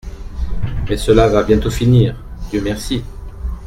Mais cela va bientôt finir, Dieu merci !